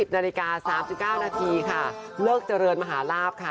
นาฬิกา๓๙นาทีค่ะเลิกเจริญมหาลาบค่ะ